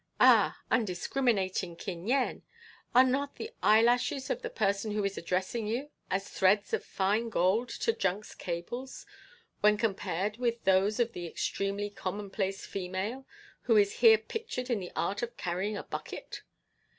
Ah, undiscriminating Kin Yen! are not the eyelashes of the person who is addressing you as threads of fine gold to junk's cables when compared with those of the extremely commonplace female who is here pictured in the art of carrying a bucket?